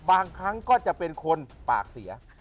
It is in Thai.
บางครั้งก็จะเป็นคนปากเสีย